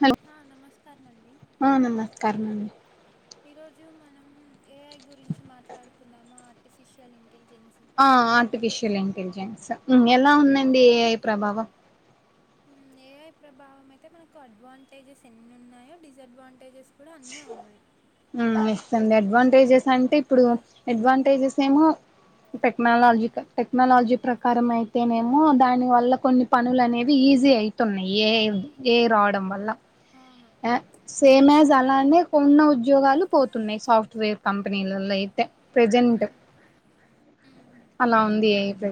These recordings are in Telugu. హలో హా నమస్కారం అండి అవునన్నా [unintelligible] ఈ రోజు మనం ఏఐ గురించి మాట్లాడుకుందాము ఆర్టిఫిషియల్ ఇంటెలిజెన్స్ ఆ ఆర్టిఫిషియల్ ఇంటెలిజెన్స్ ఎలా ఉందండి ఏఐ ప్రభావం ఏ ఏఐ ప్రభావం అయితే మనకు అడ్వాంటేజెస్ ఎన్ని ఉన్నాయో డిస్ట్వాంటేజెస్ కూడా అన్నే ఉన్నాయి ఇస్తుంది అడ్వాంటేజెస్ అంటే ఇప్పుడు అడ్వాంటేజెస్ ఏమో టెక్నాలజీక టెక్నాలజీ ప్రకారం అయితేనేమో దాని వల్ల కొన్ని పనులు అనేవి ఈజీ అయితున్నాయి ఏ ఏఐ రావడం వల్ల అవును సేమ్ జ్ అలానే కొన్న ఉద్యోగాలు పోతున్నాయి సాఫ్ట్వేర్ కంపెనీలలోయి తే ప్రెజెంట్ హ్మ్ అలా ఉంది ఏఐ ప్ర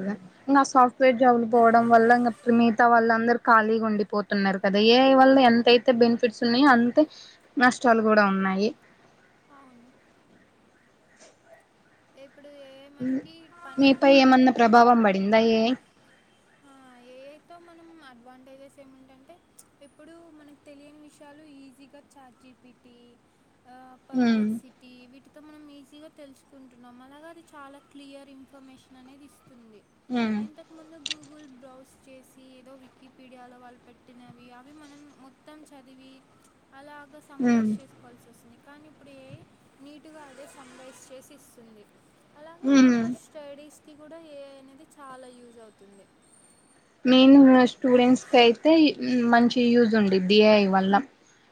ఇంకా ఆ సాఫ్ట్వేర్ జాబ్లు పోవడం వల్ల ఇంకా మిగతా వాళ్ళందరు ఖాళీగా ఉ ఉండిపోతున్నారు కదా ఏఐ వల్ళ ఎంతయితే బెన్ ఫిట్స్ ఉన్నాయి అంతే నష్టాలు కూడా ఉన్నాయి అవును ఇప్పుడు ఏఐ ఉమ్మ్ మనకి పని ఎంత మీపై అయితే ఏమన్నా తగ్గి ప్రభావం పడిందా ఎ ఏఐతో మనం అడ్వాంటేజెస్ ఏమిటంటే ఇప్పుడు మనకు తెలియని విషయాలు ఈజీగా చాట్ జి పిటి ఉమ్ పర్ప్లెక్స్సిటీ వీటి తో మనం ఈజీగా తెలుసుకుంటున్నాం అలాగ అది చాలా క్లియర్ ఇన్ఫర్మేషన్ అనేది ఇస్తు ఉమ్మ్ పోస్ట్ చేసి ఏదో వికీపీడియాలో వాళ్ళు పెట్టినవి అవి మనం మొత్తం చదివి అలాగా ఉమ్ సమ్మరైజ్ చేసుకోవాల్సి వస్తుంది కానీ ఇప్పుడు ఏఐ నీటుగా అదే సమ్మరైజ్ చేసి ఇస్తుంది అలాగే ఉమ్ నాకు స్టడీస్ కి కూడా ఏఐ అనేది చాలా యూజ్ అవుతుంది మెయిన్గా స్టూడెంట్స్కి అయితే మంచి యూజ్ ఉండిది ఏఐ వల్ల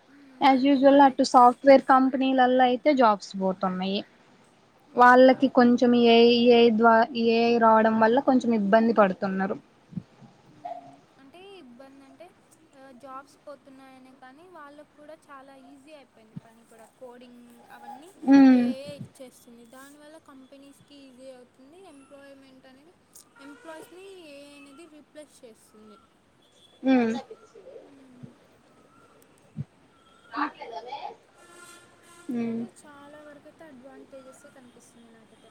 మ్మ్. యాస్ నీట్గా యూజువల్ అటు సాఫ్ట్వేర్ లెక్చరర్స్ కంపెనీలలో అయితే జాబ్స్ పోతున్నాయి వాళ్ళకి లైక్ కొంచెం ఏఐ ఏఐ ద్వా ఈ ఏఐ రావడం వల్ల కొంచెం ఇబ్బంది పడుతున్నారు అంటే ఇబ్బంది అంటే జాబ్స్ పోతున్నాయనే కానీ వాళ్ళకు కూడా చాలా ఈజీ అయి పోయింది పని కూడా కోడింగ్ అవన్నీ ఉమ్ ఏఐ ఇచ్చేస్తుంది దానివల్ల కంపెనీస్కి ఈజీ అవుతుంది ఎంప్లాయ్మెంట్ అనేది ఎంప్లాయీస్ని ఏఐ అనేది రీప్లే స్ చేస్ ఉమ్మ్ మ్మ్. మాట్ద కానీ చాలా వరకైతే అడ్వాంటేజెసే కనిపిస్తున్నాయి నాకైతే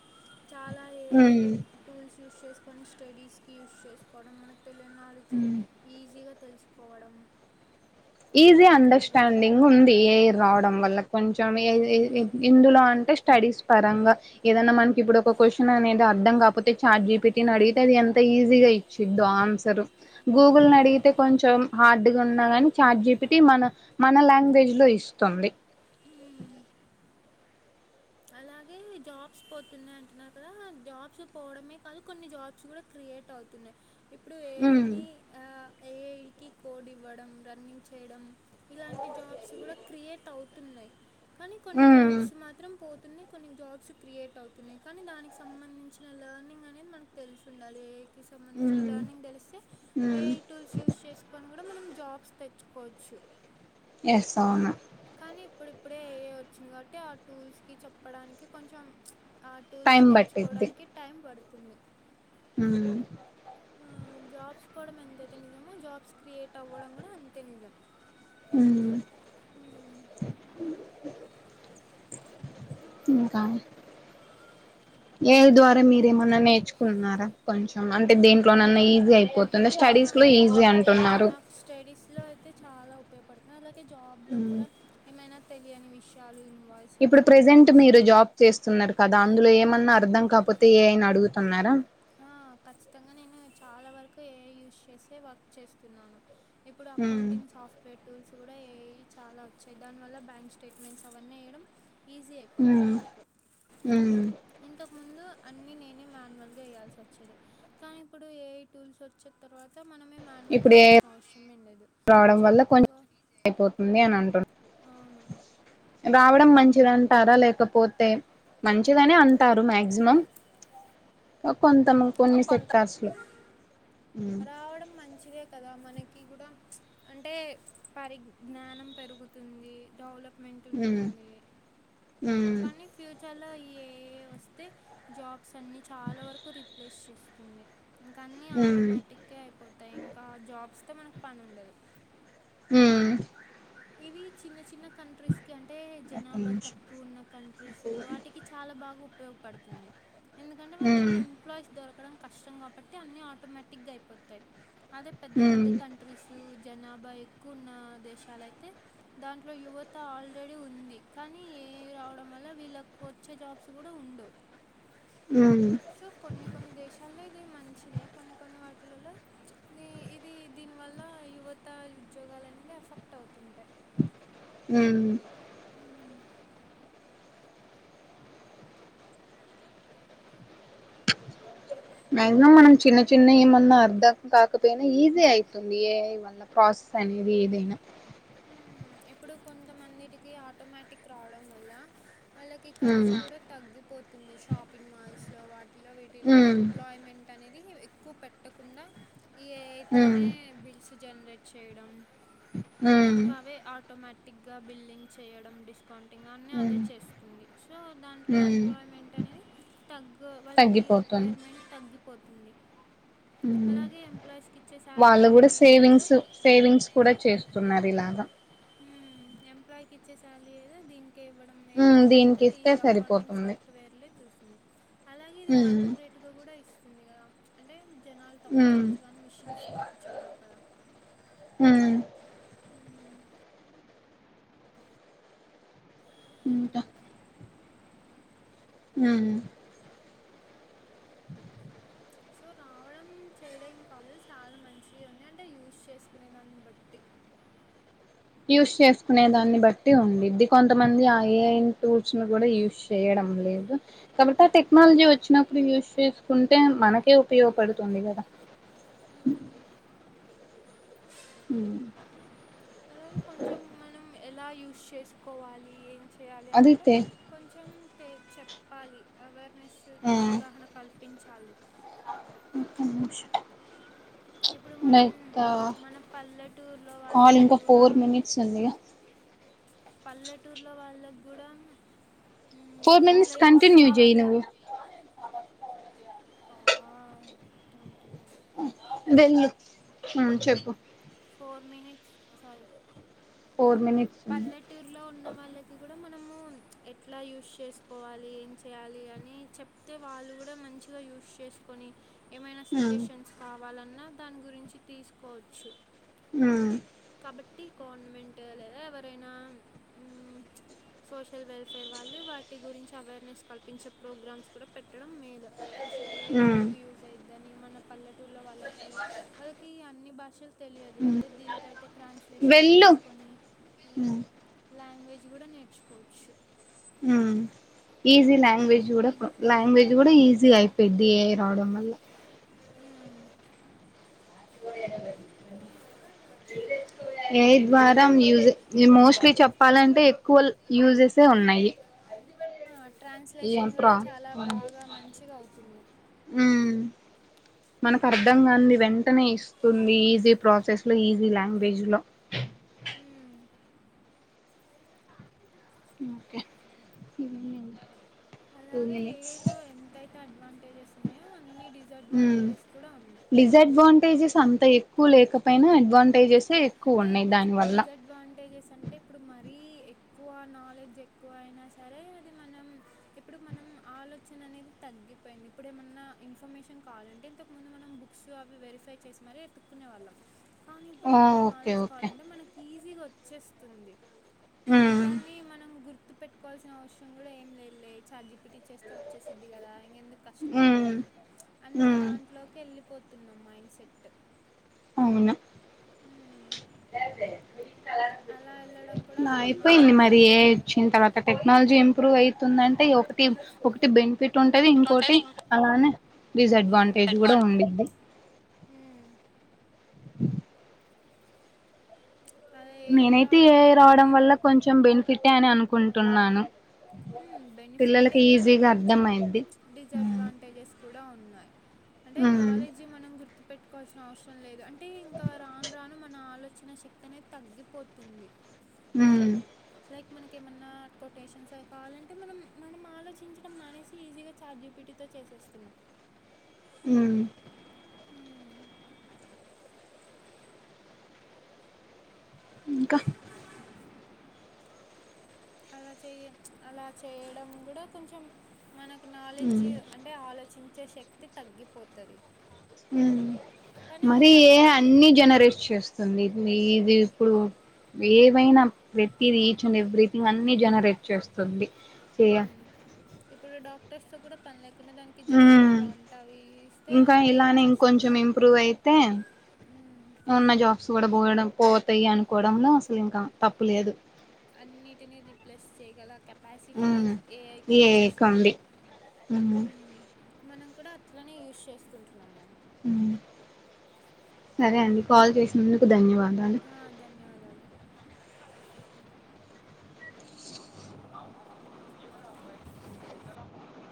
చాలా ఏఐ టూల్స్ యూస్ చేసుకొని స్టడీస్కి యూస్ చేసుకోవడం మనకి తెలియని నాలెడ్చును ఈజీగా తెలుసుకోవడం ఈజీ అలా జరుగుతుంది అండర్స్టాండింగ్ ఉంది ఏఐ రావడం వల్ల కొం చెం ఎఐ ఎందులో అంటే స్టడీస్ పరంగా ఏదనా మనకి ఇప్పుడు ఒక క్వశ్చన్ అనేది అర్థం కాకపోతే చాట్ జిపిటీని అడిగితే అది ఎంత ఈజీగా ఇచ్చిద్దో ఆన్సరు గూగుల్ అడిగితే కొం చం హార్డ్గా ఉన్నా కాని చాట్ జిపిటి మన మన లాంగ్వేజ్లో ఇస్తుంది మ్మ్. మ్మ్. అలాగే జాబ్స్ పోతున్నాయి అంటున్నారు కదా జాబ్స్ పోవడమే కాదు కొన్ని జాబ్స్ కూడా క్రి యేట్ అవుతున్నాయి ఇప్పుడు ఉమ్మ్ క కోడ్ ఇవ్వడం రన్నింగ్ చేయడం ఇలాంటి జాబ్స్ కూడా క్రియేట్ అవుతున్నాయి కానీ కొన్ని ఉమ్ జాబ్స్ మాత్రం పో తున్నాయి కొన్ని జాబ్స్ క్రియేట్ అవుతున్నాయి కానీ దానికి సంబంధించిన లెర్నింగ్ అనేది మనకు తెలిసుండాలి ఎఐ కి సంబంధించిన ఉమ్ లర్నింగ్ తెలిస్తే ఉమ్ ఏఐ టూల్స్ యూస్ చేసుకొని కూడా మనం జాబ్స్ తెచ్చుకోవచ్చు ఎస్ అవును కానీ ఇప్పుడిప్పుడే ఏఐ వచ్చింది కాబట్టి ఆ టూల్స్కి చెప్పడానికి కొంచెం ఆ టూల్స్ టైం నేర్చుకోవడానికి టైం పడుతుంది ఉమ్మ్ ఉమ్మ్ జాబ్స్ పోవడం ఎంతైతే నిజమో జాబ్స్ క్రియేట్ అవ్వడం కూడా అంతే నిజం ఉమ్మ్ మ్మ్. ఇంకా ఏఐ ద్వారా మీరేమన్నా నేర్చుకుంటున్నారా కొంచెం అంటే దేంట్లోనన్నా ఈజీ అయిపో తుంది ఆ, స్టడీస్లో నాకు ఈజీ అంటున్నారు ఉపయోగపడుతున్నా అలాగే జాబ్ లో కూడా ఏమైనా తెలియని విషయాలు ఇన్ ఇప్పుడు ప్రజెంట్ మీరు జాబ్ చేస్తున్నారు కదా అందులో ఏమన్నా న్నా అర్థం కాకపోతే ఏ ఐ నీ అడుగుతున్నారా ఆ ఖచ్చితంగా నేను చాలా వరకు ఏఐ యూజ్ చేసే వర్క్ చేస్తున్నాను ఇప్పుడు ఉమ్ అకౌంటింగ్ సాఫ్ట్వేర్ టూల్స్ కూడా ఎ ఐ చాలా వచ్చాయి దాని వల్ల బ్యాంక్ స్టేట్మెంట్స్ అవన్నీ ఏయడం ఈజీ అయిపోతుంది ఉమ్ నాకు ఉమ్ ఇంతకుముందు అన్నీ నేనే మాన్యువల్గా వెయ్యాలి ల్సీవచ్చేది కానీ ఇప్పుడు ఏ ఐ టూల్స్ వచ్చిన తర్వాత మనమే మాన్యువల్గా ఇప్పుడు ఏ ఐ వేయాల్సిన అవసరమే ఉండదు రావడం వల్ల కొన్ని అయిపోతుంది అని అనుంది అవును రావడం మంచిదంటారా లేకపోతే మంచిగానే అంటారు మాక్సిమం క కొంతము కొన్ని సెక్టార్స్ లో రావడం మంచిదే కదా మనకి కూడా అంటే పారిజ్ఞానం పెరుగుతుంది డెవలప్ మ్ మ్ ఇండియా లో ఈ ఏ ఐ వస్తే జాబ్స్ అన్ని చాలా వరకు రిప్లేస్ చేస్తుంది ఇంకా అన్నీ ఉమ్ ఆటోమేటికే అయిపోతాయి ఇంకా జాబ్స్ తో మనకు పని ఉండదు మ్ ఇవి చిన్న చిన్న కంట్రీస్కి అంటే ఒక్క జనాభా నిమిషం తక్కువ ఉన్న కంట్రీస్ వాటికి చాలా బాగా ఉపయోగపడుతుంది ఎందుకంటే వాళ్ళకి ఉమ్ ఎంప్లాయీస్ దొరకడం కష్టం కాబట్టి అన్నీ ఆటోమేటిక్గా అయిపోతాయి అదే పెద్ద ఉమ్ పెద్ద కంట్రీస్ జనాభా ఎక్కువన్న దేశాలయితే దాంట్లో యువత ఆల్రెడీ ఉంది కానీ ఏఐ రావడం వల్ల వీళ్ళకి వచ్చే జాబ్స్ కూడా ఉండవు ఉమ్ సో కొన్ని కొన్ని దేశాల్లో ఇదే మంచి మంచిదే కొన్ని కొన్ని వాటిలలో ఇది దీని వల్ల యువత ఉద్యోగాలనేది ఎఫెక్ట్ అవుతుంది మ్ మ్యాక్సిమం మనం చిన్న చిన్న ఏమన్నా అర్థం కాకపోయినా ఈజీ అయితుంది ఏఐ వల్ల ప్రాసెస్ అనే అనేది ఏదేనా మ్ ఇప్పుడు కొంతమందిటికి ఆటోమేటిక్ రావడం వల్ల వాళ్ళకి ఖర్చు ఉమ్ కూడా తగ్గిపోతుంది షాపింగ్ మాల్స్ లో వాటిలో వీటిల్లో ఉమ్ ఎంప్లాయ్మెంట్ అనేది ఇది ఎక్కువ పెట్టకుండా ఈ ఉమ్ ఏఐతోనే బిల్స్ జనరేట్ చేయడం మ్ ఆటోమేటిక్గా బిల్లింగ్ చేయడం డిస్కౌంట్ టిగ్ అనే అదే ఉమ్ చేస్తుంది సో దాంట్లో ఉమ్ ఎంప్లాయ్మెంట్ అనేది తగ్గు వాళ్ళకి రిక్ తగ్గిపోతుంది రిక్వైర్మెంట్ తగ్గిపోతుంది ఉమ్ అలాగే ఎంప్లాయీస్కి ఇచ్చే వాళ్ళు శాలరీ కూడా ఏదో సేవింగ్స్ సేవింగ్స్ కూడా చేస్తున్నారు ఇలాగా మ్ ఎంప్లాయ్కి ఇచ్చే సాలరీ ఏదో దీనికి కే ఇవ్వడం మేల ఉమ్ అన్నట్టు దీనికి ఈ ఇస్తే అకౌంటింగ్ సరిపోతుంది సాఫ్ట్ వేర్ లో చూసింది అలాగే ఇది ఉమ్ ఎక్యూరేటుగా కూడా ఇస్తుంది కదా అంటే జనాలు తప్పు ఉమ్ చేయచ్చుగాని మిషన్స్ తప్పు చెయ్యవు గదా ఉమ్ ఇంట ఇది. మ్ సో రావడం చెయడం కాదు చాలా మంచిగా ఉంది అంటే యూస్ చేసుకునే దాన్ని బట్టి యూస్ చేసుకునే దాన్ని బట్టి ఉండిద్ది కొంతమంది ఆ ఏ ఐన్ టూల్స్ ను గూడా యూస్ చెయర్ లేదు కాబట్టి ఆ టెక్నాలజీ వచ్చినప్పుడు యూస్ చేసుకుంటే మనకే ఉపయోగపడుతుందిగా మ్మ్ అలాగే కొంచెం మనం ఎలా యూస్ చేసుకోవాలి ఏం చేయాలి అని గుడా అదైతే కొంచెం చెప్పాలి అవేర్నెస్ అవగాహన కల్పించాలి ఒక్క నింష్ ఇప్పుడు మనం మన పల్లెటూరులో కాల్ వాళ్ళకి ఇంకా గూడా ఫోర్ మినిట్స్ ఉందిగా పల్లెటూరులో వాళ్ళక్ గుడం ఫోర్ మినిట్స్ కంటిన్యూ జెయ్య్ నువ్వు ఆంటి చెప్పు four minutes sorry four minutes ఉంది పల్లెటూర్లో ఉన్న వాళ్ళకి గుడా మనము ఎట్లా యూస్ చేసుకోవాలి ఏం చేయాలి అని చెప్తే వాళ్ళు గుడా మంచిగా యూస్ చేస్ కొని ఏమైనా ఉమ్ సజెషన్స్ కావాలన్నా దాని గురించి తీసుకోవచ్చు ఆ కాబట్టి గవర్నమెంట్ లేదా ఎవరైనా మ్మ్ సోషల్ వెల్ఫేర్ వాళ్ళు వాటి గురించి అవేర్నెస్ కల్పించే ప్రోగ్రామ్స్ కుడ పెట్టడం మేలు అసలు ఏ ఐ ఉమ్ ఎందుకు యూజ్ అయిద్దని మన పల్లెటూళ్లో వాళ్ళకి వాళ్ళకి అన్నీ భాషలు తెలియదు అదే దీంతో అయితే ట్రాన్స్లేషన్ వెళ్ళు చేయించుకోని ఉమ్ లాంగ్వే గుడ నేర్చుకోవచ్చు అ ఈజీ లాంగ్వేజ్ గూడ మ్, లాంగ్వేజ్ గూడా ఈజీ అయిపోయిద్ది ఏ ఐ రావడం వల్ల మ్. పోయన ఏ ఐ ద్వారా మ్యూజ్ ఈ మోస్ట్లీ చెప్పాలంటే ఎక్కువ యూజెస్సే ఉన్నాయి ఈ ట్రాన్స్లేషన్ గూడా ప్రా చాలా బాగా మంచిగా అవుతుంది మనకర్థం కాంది వెంటనే ఇస్తుంది ఈజీ ప్రాసెస్ లో ఈజీ లాంగ్వేజ్ లో ఉమ్ ఓకే టూ అలాగే మినిట్స్ ఏఐతో ఎంతైతే అడ్వాంటేజెస్ ఉన్నయో అన్ని ఉమ్ డిసడ్వాంటేజెస్ కూడ ఉన్నాయి డిసడ్వాంటేజెస్ అంత ఎక్కువ లేకపోయినా అడ్వాంటేజెస్ అంటే డిసడ్వాంటేజెస్ అంటే ఇప్పుడు మరీ క్కువ నాలెడ్జ్ ఎక్కువ అయినా సరే అది మనం ఇప్పుడు మనం ఆలోచన అనేది తగ్గి పొయింది ఇప్పుడు ఏమన్నా ఇన్ఫర్మేషన్ కావాలంటే ఇంతకుముందు మనం బుక్స్ అవి వెరిఫై చేసి మరి ఎతుక్కునే వాళ్ళం. కానీ ఇప్పుడు ఓ ఏమన్నా ఓకే నాలెడ్జ్ ఓకే కావాలంటే మనకి ఈజీగా వచ్చేస్తుంది మ్మ్ దాన్ని మనం గుర్తు పెట్టుకోవాల్సిన అవసరం గూడా ఏం లేదులే ఛాట్ జి పి టి ఇచ్చేస్తే వచ్చేసిద్ది గదా ఇంకెందుకు ఉమ్ కష్టపడ్డం అన్న ఉమ్ దాంట్లోకి ఎళ్ళిపోతున్నం మైండ్ సెట్ అవున [inaudible] అలా వెళ్ళడం కూడా అంత అయిపోయింది మంచిదేం మరి ఏ కాదు కదా చ్చినా తర్వాత టెక్నాలజీ ఇంప్రూవ్ అయి తుందంటే ఒకటి ఒకటి బెనిఫిట్ ఉంటది ఇంకో టి అలానే డిసడ్వాంటేజ్ గూడా ఉండిది మ్మ్. అది నేనైతే రావడం ఎఐ వల్ల రావడం మనకి వల్ల కొంచెం బెనిఫిటే అని అనుకుంటున్నాను బెనిఫిటే పిల్లలకి కానీ ఈజీగా కొంచెం అర్థం అయిద్ది మ్ డిసడ్వాంటేజెస్ కూడా ఉన్నాయి అంటే మ్ నాలెడ్జ్ మనం గుర్తు పెెట్టుకోవాల్సిన అవసరం లేదు అంటే ఇంకా రాను రాను మన ఆలోచన చ్చిన శక్తి అనేది తగ్గిపోతుంది ఉ లైక్ మనకి ఏమన్నా కొటేషన్స్ ఐ కావాలంటే మనం మనం ఆలోచించడం మానేసి ఈజీగా చార్జిబీటీ తో చేసేస్తునం ఉ ఇంకా అలా చెయ అలా చేయడం కూడా కొంచెం మనకు మ్ నాలెడ్జ్ అంటే ఆలోచించే శక్తి తగ్గిపోతుది ఉ మరి ఏ అందుకు అన్ని జనరేట్ చేస్తుంది ఇది వి ఇది ఇప్పుడు ఏవైనా ప్రతిది ఈచ్ అండ్ ఎవ్రీథింగ్ అన్ని జనరేట్ చేస్తుంది ఏయ మ్మ్. ఇప్పుడు డాక్టర్స్ తో కూడా పనిలే స్తున్న దానికి జస్ట్ ఉమ్ ప్రాముటవి ఇస్తే ఇంకా అదే ఇలానే ఇచ్చేస్తుంది ఇంకొంచెం ఇంప్రూవ్ అయితే మ్మ్. ఉన్న జాబ్స్ కూడా పోవడం పోతాయి అనుకోవడంలో అసలు ఇంకా తప్పు లేదు అన్నిటిని రిప్లేస్ చేయగల కెపాసిటీ ఉమ్ ఏఐకి వచ్చేసింది ఏకండి ఉమ్ ఉ మనం కూడా అట్లనే యూజ్ చేసుకుంటున్నాం మనీ ఉ సరే అండి కాల్ చేసినందుకు ధన్యవాద హా ధన్యవాదాలు